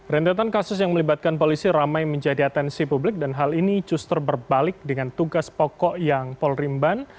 rentetan kasus yang melibatkan polisi ramai menjadi atensi publik dan hal ini justru berbalik dengan tugas pokok yang polrimban